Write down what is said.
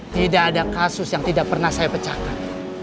tidak ada kasus yang tidak pernah saya pecahkan